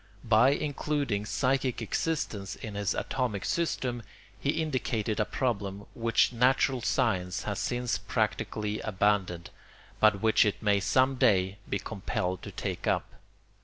By including psychic existence in his atomic system, he indicated a problem which natural science has since practically abandoned but which it may some day be compelled to take up.